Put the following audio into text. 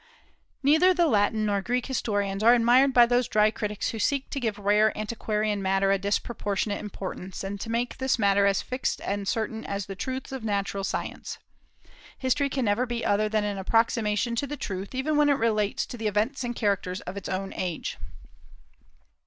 Neither the Latin nor Greek historians are admired by those dry critics who seek to give to rare antiquarian matter a disproportionate importance, and to make this matter as fixed and certain as the truths of natural science. History can never be other than an approximation to the truth, even when it relates to the events and characters of its own age.